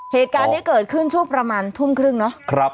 เหตุการณ์นี้เกิดขึ้นช่วงประมาณทุ่มครึ่งเนาะ